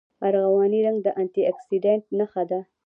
ارغواني رنګ د انټي اکسیډنټ نښه ده.